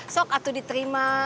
sok atau diterima